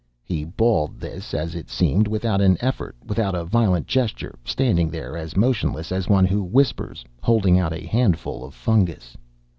He bawled this, as it seemed, without an effort, without a violent gesture, standing there as motionless as one who whispers, holding out a handful of fungus.